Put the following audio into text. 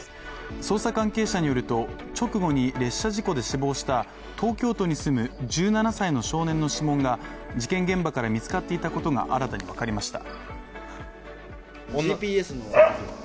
捜査関係者によると直後に列車事故で死亡した東京都に住む１７歳の少年の指紋が事件現場から見つかっていたことが新たに分かりました。